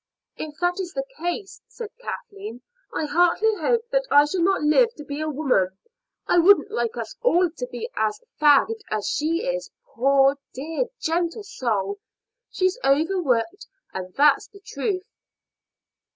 "If that is the case," said Kathleen, "I heartily hope that I shall not live to be a woman. I wouldn't like us all to be as fagged as she is poor, dear, gentle soul! She's overworked, and that's the truth."